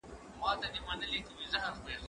اوبه د زهشوم له خوا څښل کيږي!.